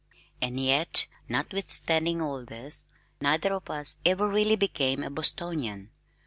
And yet, notwithstanding all this, neither of us ever really became a Bostonian.